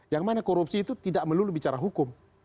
yang mana korupsi itu tidak melulu bicara hukum